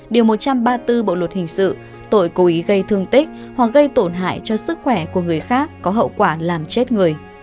điều một trăm ba mươi bốn bộ luật hình sự tội cố ý gây thương tích hoặc gây tổn hại cho sức khỏe của người khác có hậu quả làm chết người